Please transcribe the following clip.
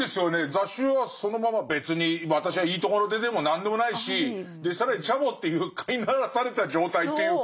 「雜種」はそのまま別に私はいいとこの出でも何でもないし更にチャボっていう飼いならされた状態というか。